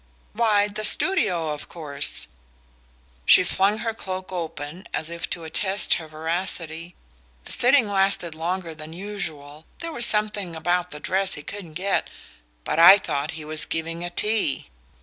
"Why, the studio, of course " She flung her cloak open, as if to attest her veracity. "The sitting lasted longer than usual there was something about the dress he couldn't get " "But I thought he was giving a tea."